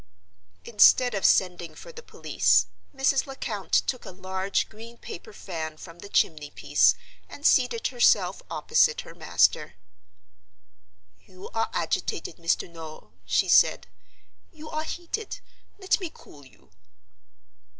Instead of sending for the police, Mrs. Lecount took a large green paper fan from the chimney piece, and seated herself opposite her master. "You are agitated, Mr. Noel," she said, "you are heated. Let me cool you."